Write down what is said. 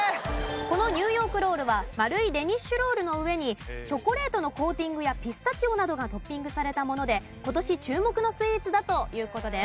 このニューヨークロールは丸いデニッシュロールの上にチョコレートのコーティングやピスタチオなどがトッピングされたもので今年注目のスイーツだという事です。